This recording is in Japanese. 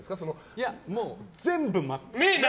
いや、もう全部、真っ黒。